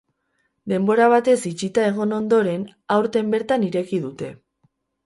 Denbora batez itxita egon ondoren, aurten bertan ireki dute.